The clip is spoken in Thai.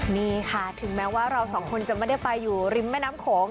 นี่ค่ะถึงแม้ว่าเราสองคนจะไม่ได้ไปอยู่ริมแม่น้ำโขง